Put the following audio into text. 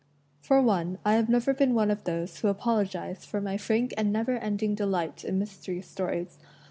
For one, I have never been one of those who apologize for my frank and never ending delight in mystery stories.